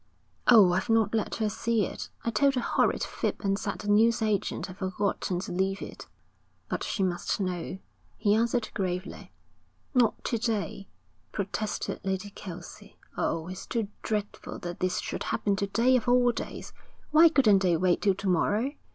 'Oh, I've not let her see it. I told a horrid fib and said the newsagent had forgotten to leave it.' 'But she must know,' he answered gravely. 'Not to day,' protested Lady Kelsey. 'Oh, it's too dreadful that this should happen to day of all days. Why couldn't they wait till to morrow?